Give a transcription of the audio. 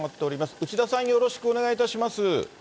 うちださん、よろしくお願いいたします。